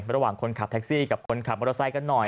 ระหว่างคนขับแท็กซี่กับคนขับมอเตอร์ไซค์กันหน่อย